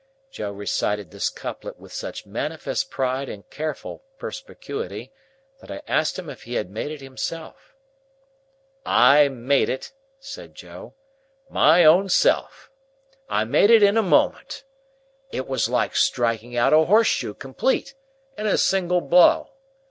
Joe recited this couplet with such manifest pride and careful perspicuity, that I asked him if he had made it himself. "I made it," said Joe, "my own self. I made it in a moment. It was like striking out a horseshoe complete, in a single blow.